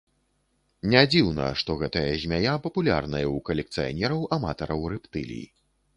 Не дзіўна, што гэтая змяя папулярная ў калекцыянераў-аматараў рэптылій.